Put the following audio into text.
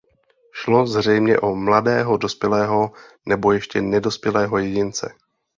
Šlo zřejmě o mladého dospělého nebo ještě nedospělého jedince.